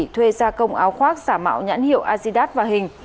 thuê gia công áo khoác giả mạo nhãn hiệu azidat và hình